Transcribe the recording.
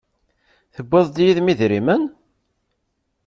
Tewwiḍ-d yid-m idrimen?